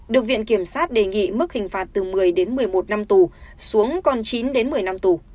được viện kiểm sát đề nghị mức hình phạt từ một mươi đến một mươi một năm tù xuống còn chín đến một mươi năm tù